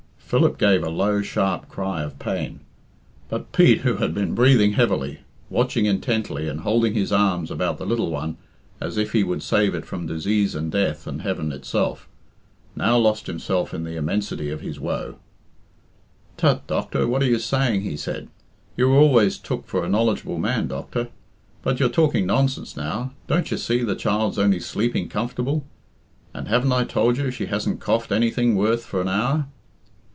Philip gave a low, sharp cry of pain; but Pete, who had been breathing heavily, watching intently, and holding his arms about the little one as if he would save it from disease and death and heaven itself, now lost himself in the immensity of his woe. "Tut, doctor, what are you saying?" he said. "You were always took for a knowledgable man, doctor; but you're talking nonsense now. Don't you see the child's only sleeping comfortable? And haven't I told you she hasn't coughed anything worth for an hour?